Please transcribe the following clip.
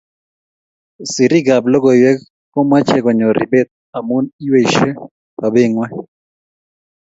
sirik ab logoiywek komache konyor ribet amu iyweishe sobet ngwai